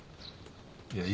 いや。